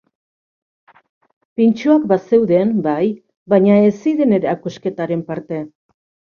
Pintxoak bazeuden, bai, baina ez ziren erakusketaren parte.